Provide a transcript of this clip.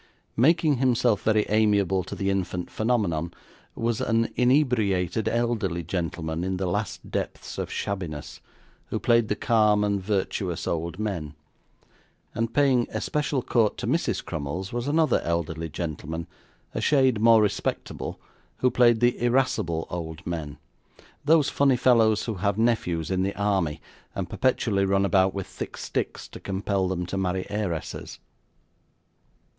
Making himself very amiable to the infant phenomenon, was an inebriated elderly gentleman in the last depths of shabbiness, who played the calm and virtuous old men; and paying especial court to Mrs Crummles was another elderly gentleman, a shade more respectable, who played the irascible old men those funny fellows who have nephews in the army and perpetually run about with thick sticks to compel them to marry heiresses.